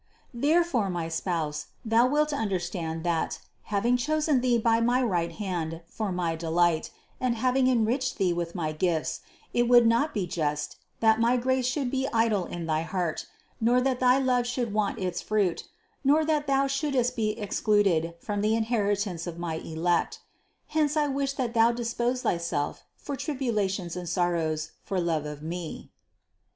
Therefore, my Spouse, thou wilt under stand, that, having chosen thee by my right hand for my delight, and having enriched thee with my gifts, it would not be just, that my grace should be idle in thy heart, nor that thy love should want its fruit, nor that thou shouldst be excluded from the inheritance of my elect. Hence I wish that thou dispose thyself for tribulations and sor rows for love of Me."